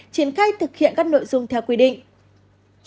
triển khai thực hiện các nội dung theo quy định